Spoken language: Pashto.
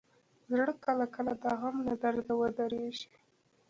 زړه کله کله د غم له درده ودریږي.